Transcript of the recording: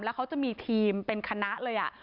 แล้วเขาจะมีทีมเป็นคณะเลย